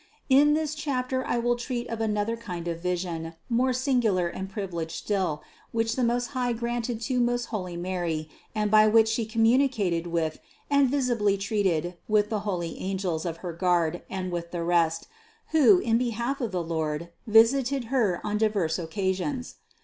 648. In this chapter I will treat of another kind of vision, more singular and privileged still, which the Most High granted to most holy Mary and by which She com municated with and visibly treated with the holy angels of her guard and with the rest, who, in behalf of the Lord, visited Her on diverse occasions.